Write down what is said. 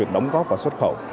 đóng góp vào xuất khẩu